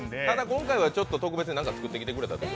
今回は特別に何か作ってきてくれたと？